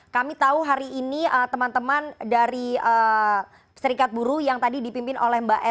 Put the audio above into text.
kami tahu hari ini teman teman dari serikat buruh yang tadi dipimpin oleh mbak eva